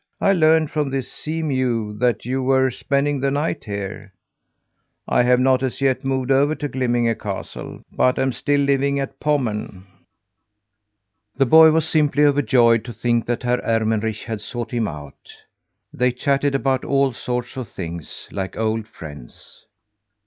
I learned from the seamew that you were spending the night here. I have not as yet moved over to Glimminge castle, but am still living at Pommern." The boy was simply overjoyed to think that Herr Ermenrich had sought him out. They chatted about all sorts of things, like old friends.